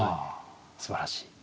すばらしい。